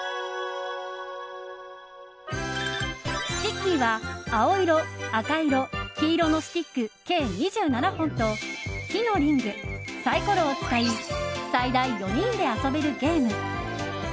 スティッキーは青色、赤色、黄色のスティック計２７本と木のリングサイコロを使い最大４人で遊べるゲーム。